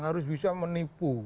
harus bisa menipu